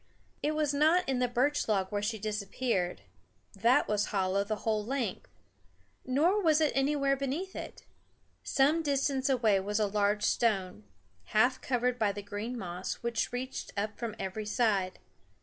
It was not in the birch log where she disappeared that was hollow the whole length nor was it anywhere beneath it. Some distance away was a large stone, half covered by the green moss which reached up from every side.